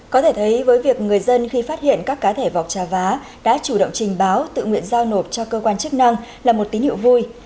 có thể thấy với việc người dân khi phát hiện các cá thể vọc trà vá đã chủ động trình báo tự nguyện giao nộp cho cơ quan chức năng là một tín hiệu vui